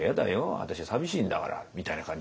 あたしゃ寂しいんだから」みたいな感じで。